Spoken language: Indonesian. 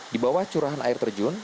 di bawah curahan air terjun